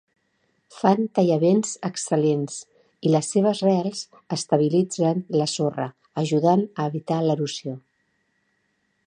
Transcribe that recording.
Fan tallavents excel·lents i les seves rels estabilitzen la sorra, ajudant a evitar l'erosió.